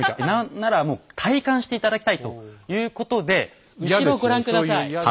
ならもう体感していただきたいということで後ろご覧下さい。